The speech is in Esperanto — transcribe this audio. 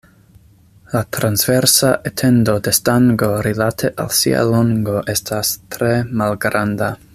La transversa etendo de stango rilate al sia longo estas tre malgranda.